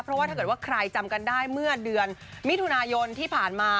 เพราะว่าถ้าเกิดว่าใครจำกันได้เมื่อเดือนมิถุนายนที่ผ่านมา